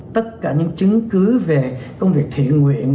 tất cả những chứng cứ về công việc thiện nguyện